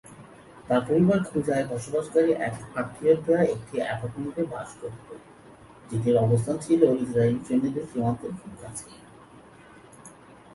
তার পরিবার খুজায় বসবাসকারী এক আত্মীয়ের দেয়া একটি অ্যাপার্টমেন্টে বাস করতো, যেটির অবস্থান ছিল ইসরায়েলি সৈন্যদের সীমান্তের খুব কাছেই।